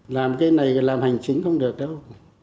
làm cái này làm hành chính không được đâu